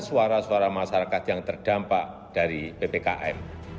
suara suara masyarakat yang terdampak dari ppkm